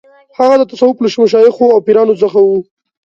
هغه د تصوف له مشایخو او پیرانو څخه و.